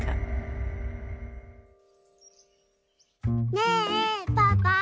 ねえパパ。